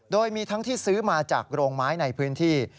โดยมีทั้งที่ซื้อมาจากโรงไม้ในพื้นที่